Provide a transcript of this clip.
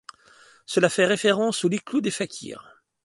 Cela fait référence au lit de clous des fakirs.